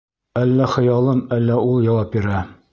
Әллә хыялым, әллә ул яуап бирә: